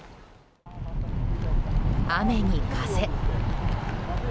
雨に風。